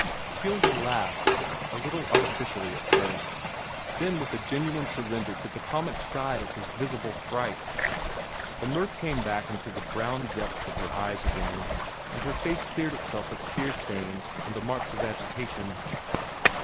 Celia laughed, a little artificially at first, then with a genuine surrender to the comic side of his visible fright. The mirth came back into the brown depths of her eyes again, and her face cleared itself of tear stains and the marks of agitation.